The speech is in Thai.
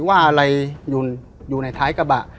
ว่าอะไรอยู่ในท้ายกระบะ